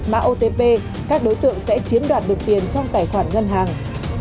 mạng otp các đối tượng sẽ chiếm đoạt được tiền trong tài khoản ngân hàng